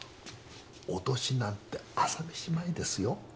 脅しなんて朝飯前ですよ。